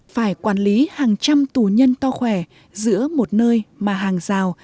phải quản lý hàng trăm tù nhân to khỏe giữa một nơi mà hàng rào